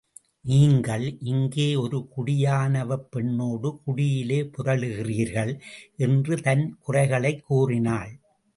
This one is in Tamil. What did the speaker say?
நீங்கள், இங்கே ஒரு குடியானவப் பெண்ணோடு குடியிலே புரளுகிறீர்கள்! என்று தன் குறைகளைக் கூறினாள்.